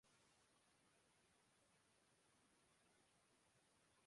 کرن جوہر کے شوکافی ود